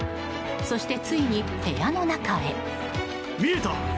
そして、ついに部屋の中へ。